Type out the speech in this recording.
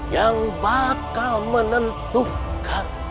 yang bakal menentukan